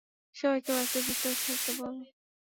সবাইকে বাসের ভিতরে থাকতে বল।